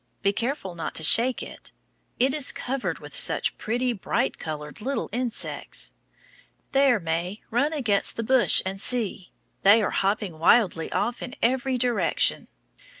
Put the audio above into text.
Be careful not to shake it. It is covered with such pretty, bright colored little insects. There, May ran against the bush and see they are hopping wildly off in every direction.